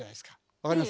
分かります？